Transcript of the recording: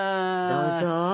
どうぞ！